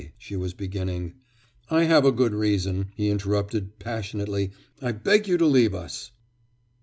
she was beginning. 'I have a good reason,' he interrupted, passionately. 'I beg you to leave us.